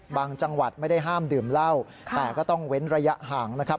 จังหวัดไม่ได้ห้ามดื่มเหล้าแต่ก็ต้องเว้นระยะห่างนะครับ